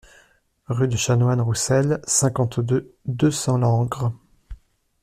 Rue du Chanoine Roussel, cinquante-deux, deux cents Langres